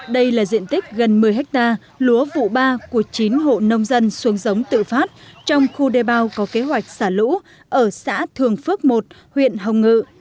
đây là diện tích gần một mươi ha lúa vụ ba của chín hộ nông dân xuống giống tự phát trong khu đê bao có kế hoạch xả lũ ở xã thường phước một huyện hồng ngự